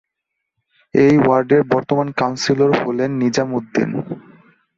এ ওয়ার্ডের বর্তমান কাউন্সিলর হলেন নিজাম উদ্দিন।